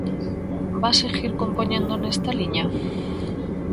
Vas seguir compoñendo nesta liña?